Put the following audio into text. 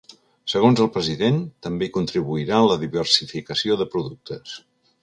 Segons el president, també hi contribuirà la diversificació de productes.